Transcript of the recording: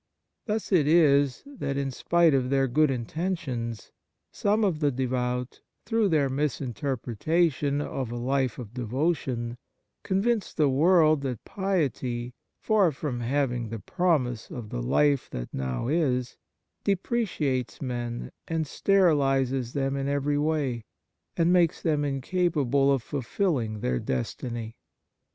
Thus it is that, in spite of their good inten tions, some of the devout, through their misinterpretation of a life of devotion, convince the world that piety, far from having the promise of the life that now is, depreciates men and sterilizes them in every way, and makes them incapable of fulfilling their destiny.